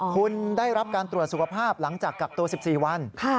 คุณได้รับการตรวจสุขภาพหลังจากกักตัว๑๔วัน